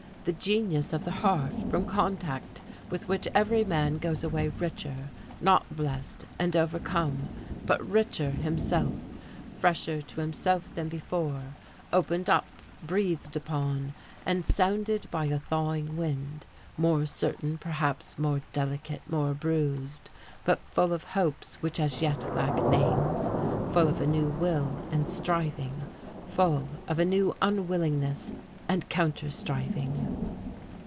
"The genius of the heart, from contact with which every man goes away richer, not 'blessed' and overcome,... but richer himself, fresher to himself than before, opened up, breathed upon and sounded by a thawing wind; more uncertain, perhaps, more delicate, more bruised; but full of hopes which as yet lack names, full of a new will and striving, full of a new unwillingness and counterstriving."...